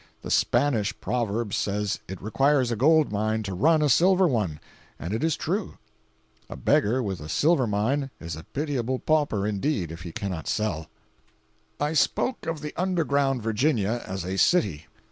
The Spanish proverb says it requires a gold mine to "run" a silver one, and it is true. A beggar with a silver mine is a pitiable pauper indeed if he cannot sell. 379.jpg (47K) I spoke of the underground Virginia as a city.